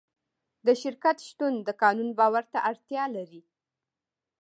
د شرکت شتون د قانون باور ته اړتیا لري.